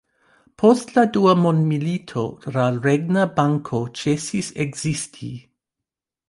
Post la dua mondmilito la Regna Banko ĉesis ekzisti.